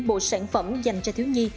bộ sản phẩm dành cho thiếu nhi